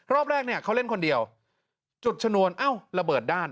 รอบแรกเนี่ยเขาเล่นคนเดียวจุดชนวนเอ้าระเบิดด้าน